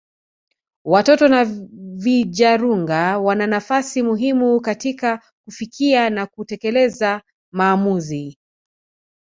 Watoto na vijarunga wana nafasi muhimu katika kufikia na kutekeleza maamuzi